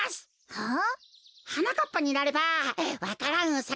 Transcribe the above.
はあ。